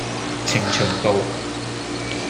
呈祥道